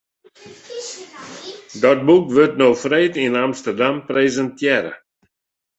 Dat boek wurdt no freed yn Amsterdam presintearre.